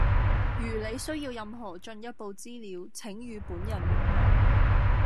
如你需要任何進一步資料，請與本人聯絡。